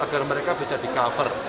agar mereka bisa di cover